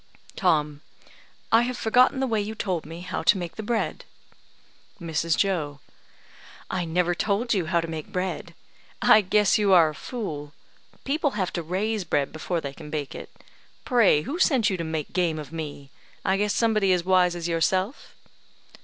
Tom: "I have forgotten the way you told me how to make the bread." Mrs. Joe: "I never told you how to make bread. I guess you are a fool. People have to raise bread before they can bake it. Pray who sent you to make game of me? I guess somebody as wise as yourself."